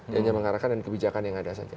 hanya mengarahkan dan kebijakan yang ada saja